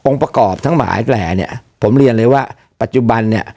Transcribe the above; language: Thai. ประกอบทั้งหลายแปลเนี่ยผมเรียนเลยว่าปัจจุบันเนี่ย